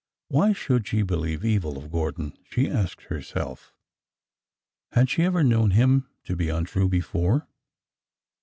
Why should she believe evil of Gordon, she asked herself. Had she ever known him to be untrue before?